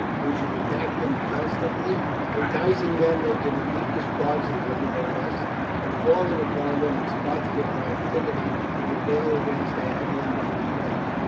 We should attack them constantly, enticing them into the deepest parts of the morass, and falling upon them at spots where our activity will avail against their heavily weighted men.